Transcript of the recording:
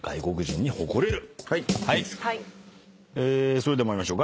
それでは参りましょう。